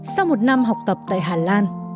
sau một năm học tập tại hà lan